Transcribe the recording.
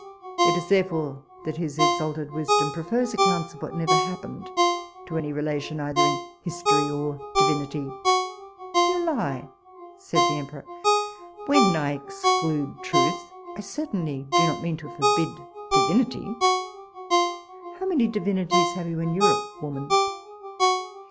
It is therefore that his exalted wisdom prefers accounts of what never happened, to any relation either in history or divinity You lie, said the emperor; when I exclude truth, I certainly do not mean to forbid divinity How many divinities have you in Europe, woman?